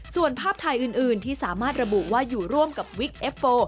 ส่วนภาพถ่ายอื่นที่สามารถระบุว่าอยู่ร่วมกับวิกเอฟโฟ